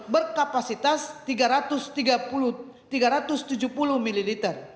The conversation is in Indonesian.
berkapasitas tiga ratus tujuh puluh ml